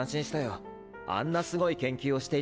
あんなすごい研究をしていたんだね。